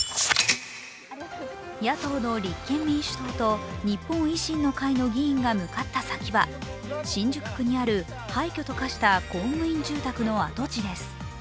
野党の立憲民主党と日本維新の会の議員が向かった先は新宿区にある廃虚と化した公務員住宅の跡地です。